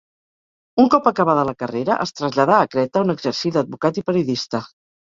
Un cop acabada la carrera es traslladà a Creta on exercí d'advocat i periodista.